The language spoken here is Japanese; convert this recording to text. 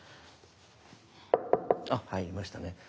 あ入りましたね。